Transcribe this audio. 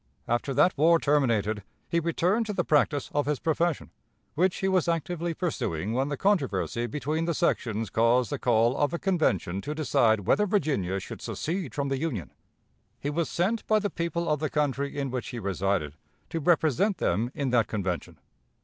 After that war terminated, he returned to the practice of his profession, which he was actively pursuing when the controversy between the sections caused the call of a convention to decide whether Virginia should secede from the Union. He was sent, by the people of the county in which he resided, to represent them in that convention.